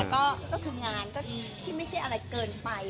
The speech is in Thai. ก็คืองานก็ที่ไม่ใช่อะไรเกินไป